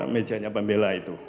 mejanya pembela itu